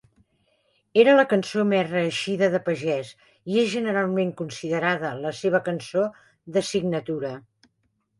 Era la cançó més reeixida de pagès i és generalment considerada la seva cançó de signatura.